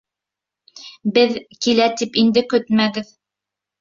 Беҙ килә, тип инде көтмәгеҙ.